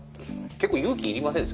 結構勇気いりませんでした？